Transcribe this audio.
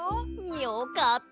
よかった！